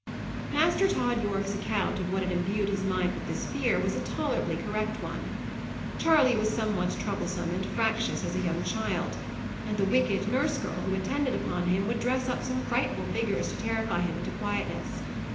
Master Tod Yorke's account of what had imbued his mind with this fear, was a tolerably correct one. Charley was somewhat troublesome and fractious as a young child, and the wicked nurse girl who attended upon him would dress up frightful figures to terrify him into quietness.